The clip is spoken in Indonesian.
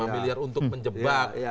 lima miliar untuk menjebak